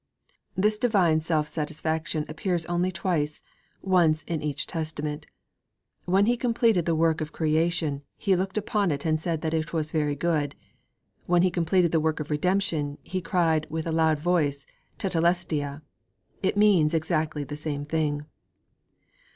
_' This divine self satisfaction appears only twice, once in each Testament. When He completed the work of Creation, He looked upon it and said that it was very good; when He completed the work of Redemption He cried with a loud voice Tetelestai! It means exactly the same thing.